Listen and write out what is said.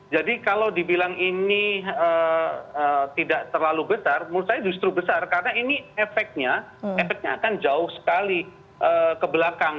jadi kalau dibilang ini tidak terlalu besar menurut saya justru besar karena ini efeknya akan jauh sekali ke belakang